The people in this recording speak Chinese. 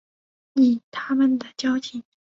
以他们的交情